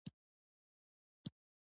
سندرغاړي پکې سندرې وايي.